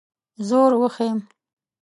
زور وښیم.